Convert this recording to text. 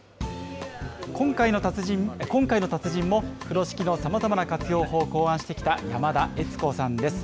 今回の達人も、風呂敷のさまざまな活用法を考案してきたやまだえつこさんです。